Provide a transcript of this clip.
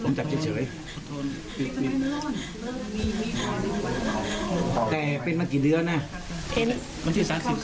ไม่หักไม่หัก